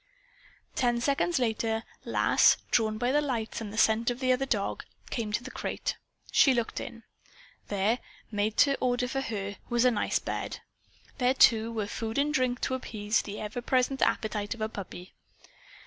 Ten seconds later, Lass, drawn by the lights and by the scent of the other dog, came to the crate. She looked in. There, made to order for her, was a nice bed. There, too, were food and drink to appease the ever present appetite of a puppy.